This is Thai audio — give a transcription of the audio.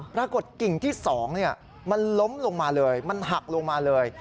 ปรากฏกิ่งที่๒มันล้มลงมาเลยมันหักลงมาเลย